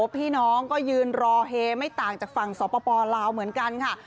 พี่น้องก็ยืนรอเฮไม่ต่างจากฝั่งสปลาวเหมือนกันค่ะ